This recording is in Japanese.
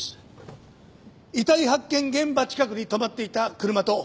遺体発見現場近くに止まっていた車と不審者の割り出し。